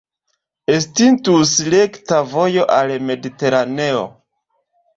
Estintus rekta vojo al Mediteraneo.